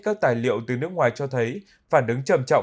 các tài liệu từ nước ngoài cho thấy phản ứng trầm trọng